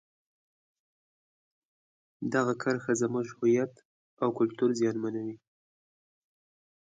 دغه کرښه زموږ د هویت او کلتور زیانمنوي.